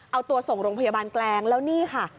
เอาตัวส่งโรงพยาบาลแกลงแล้วนี่ค่ะ